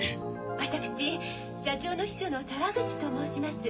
私社長の秘書の沢口と申します。